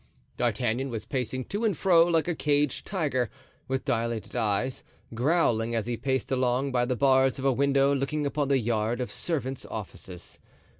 D'Artagnan was pacing to and fro like a caged tiger; with dilated eyes, growling as he paced along by the bars of a window looking upon the yard of servant's offices.